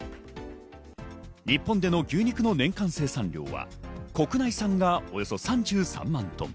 日本での牛肉の年間生産量は国内産がおよそ３３万トン。